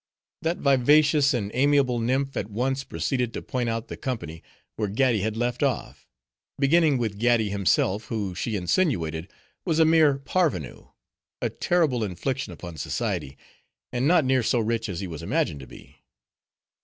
That vivacious and amiable nymph at once proceeded to point out the company, where Gaddi had left off; beginning with Gaddi himself, who, she insinuated, was a mere parvenu, a terrible infliction upon society, and not near so rich as he was imagined to be.